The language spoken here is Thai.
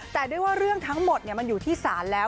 แต่ด้วยว่าเรื่องทั้งหมดมันอยู่ที่ศาลแล้ว